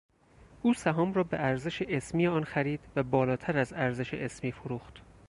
او سهام را به ارزش اسمی آن خرید و بالاتر از ارزش اسمی فروخت.